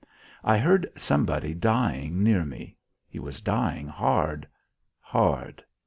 I heard somebody dying near me. He was dying hard. Hard.